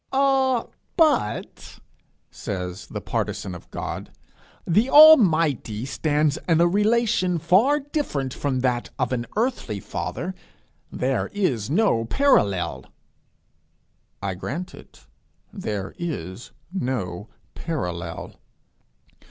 'Ah, but,' says the partisan of God, 'the Almighty stands in a relation very different from that of an earthly father: there is no parallel.' I grant it: there is no parallel.